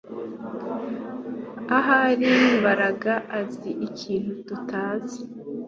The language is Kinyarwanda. Ahari Mbaraga azi ikintu tutazi